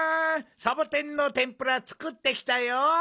サボテンのてんぷらつくってきたよ！